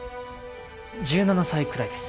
１７歳くらいです